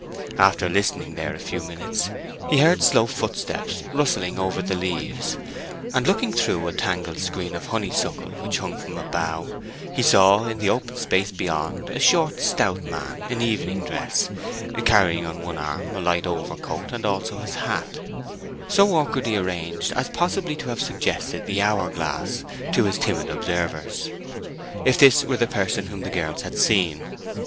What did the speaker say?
After listening there a few minutes he heard slow footsteps rustling over the leaves, and looking through a tangled screen of honeysuckle which hung from a bough, he saw in the open space beyond a short stout man in evening dress, carrying on one arm a light overcoat and also his hat, so awkwardly arranged as possibly to have suggested the "hour glass" to his timid observers—if this were the person whom the girls had seen.